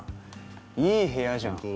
いい部屋じゃん！